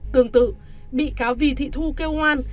tương tự bị cáo vy thị thu kêu oan